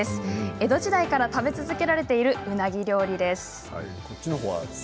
江戸時代から食べ続けられているうなぎ料理です。